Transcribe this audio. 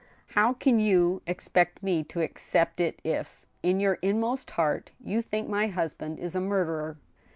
" How can you expect me to accept it if, in your inmost heart, you think my husband is a murderer